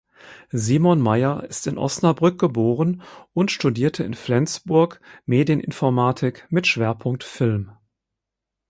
Simon Meyer ist in Osnabrück geboren und studierte in Flensburg Medieninformatik mit Schwerpunkt Film.